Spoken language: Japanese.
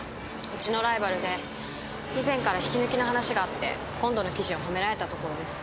うちのライバルで以前から引き抜きの話があって今度の記事を褒められたところです。